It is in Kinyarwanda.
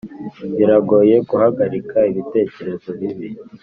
biragoye guhagarika ibitekerezo bibi;